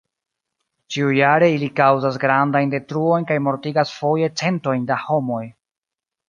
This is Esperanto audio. Ĉiujare ili kaŭzas grandajn detruojn kaj mortigas foje centojn da homoj.